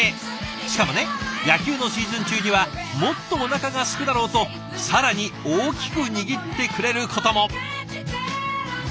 しかもね野球のシーズン中にはもっとおなかがすくだろうと更に大きく握ってくれることも！